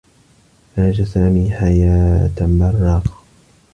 عاش سامي حياة برّاقة.